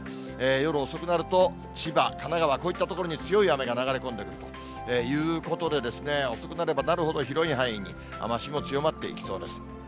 夜遅くなると、千葉、神奈川、こういった所に強い雨が流れ込んでくるということで、遅くなればなるほど、広い範囲に雨足も強まっていきそうです。